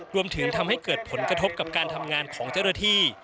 รวมถึงทำให้เกิดผลกระทบกับการทำงานของเจ้าหน้าที่